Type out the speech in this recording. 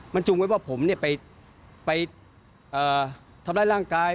มันจุงไว้ว่าผมไปทำร้ายร่างกาย